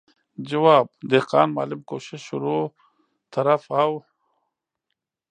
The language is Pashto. جواب، دهقان، معلم، کوشش، شروع، طرف او ...